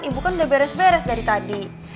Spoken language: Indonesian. ibu kan udah beres beres dari tadi